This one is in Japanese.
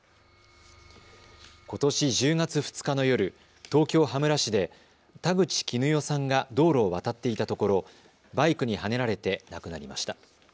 ことし１０月２日の夜、東京羽村市で田口キヌヨさんが道路を渡っていたところバイクにはねられて亡くなりました。